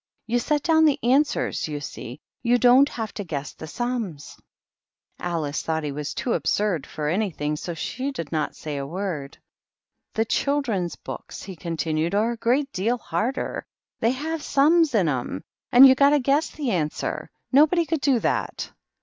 You set down the answers, you see ; you don't have to guess the sums." Alice thought he was too absurd for anything, so she did not say a word. " The children's books," he continued, " are a great deal harder. They have sums in 'em, and 214 THE MOCK TURTLE. you've got to guess the answer. Nobody could do that."